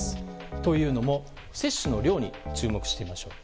というのも、接種の量に注目してみましょう。